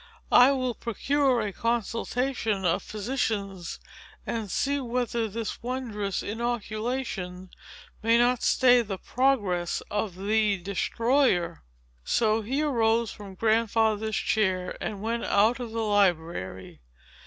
I will procure a consultation of physicians, and see whether this wondrous Inoculation may not stay the progress of the Destroyer." So he arose from Grandfather's chair, and went out of the library.